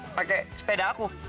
pake sepeda aku